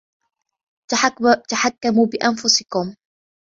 تَحَكَموا بأنفُسَكُم.